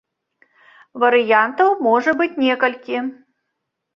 Варыянтаў можа быць некалькі.